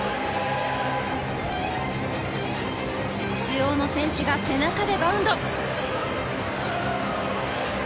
中央の選手が背中でバウンド。